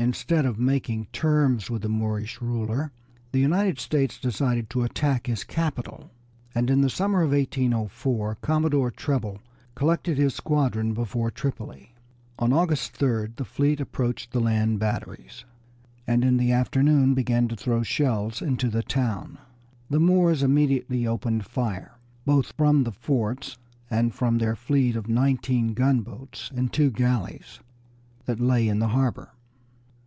Instead of making terms with the Moorish ruler, the United States decided to attack his capital, and in the summer of 1804, Commodore Preble collected his squadron before Tripoli. On August 3d the fleet approached the land batteries, and in the afternoon began to throw shells into the town. The Moors immediately opened fire, both from the forts and from their fleet of nineteen gunboats and two galleys that lay in the harbor.